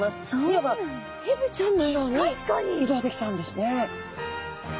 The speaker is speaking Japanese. いわばヘビちゃんのように移動できちゃうんですね。